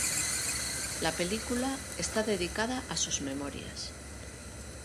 La película está dedicada a sus memorias.